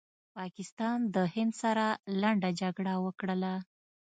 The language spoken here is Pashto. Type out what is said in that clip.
پاکستان د هند سره لنډه جګړه وکړله